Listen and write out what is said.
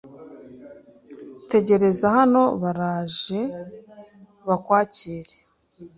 Tegereza hano baraje bakwakire.